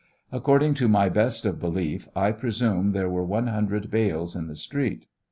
According to my best of belief I presume there were one hundred bales in the street.